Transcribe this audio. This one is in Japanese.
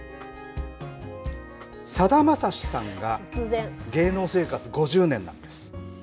さだまさしさんが芸能生活５０年なんです。